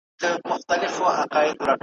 بيا يې كش يو ځل تر لاس بيا تر سږمه كړ `